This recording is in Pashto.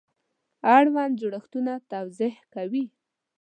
اړوند جوړښتونه توضیح کوي.